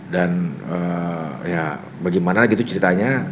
ya bagaimana gitu ceritanya